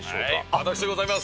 私でございます。